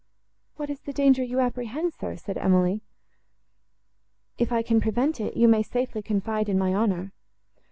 —"What is the danger you apprehend, sir?" said Emily; "if I can prevent it, you may safely confide in my honour."